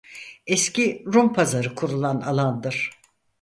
Eski Rum pazarı kurulan alandır.